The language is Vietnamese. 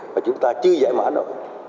mà chúng ta chưa giải mã nổi